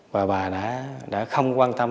và bà đã không quan tâm